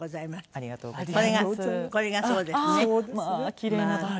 ありがとうございます。